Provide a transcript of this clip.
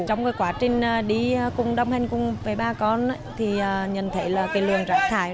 trong quá trình đi cùng đồng hành cùng với bà con nhận thấy lường rạng thải